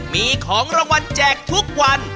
มีของรางวัลแจกทุกวัน